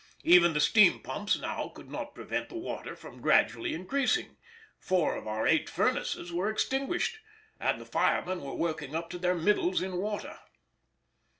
Even the steam pumps now could not prevent the water from gradually increasing; four of our eight furnaces were extinguished, and the firemen were working up to their middles in water.